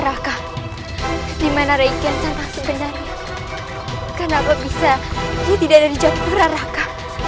raka dimana reykjian santang sebenarnya kenapa bisa dia tidak ada di jakarta raka